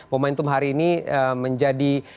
momentum hari ini menjadi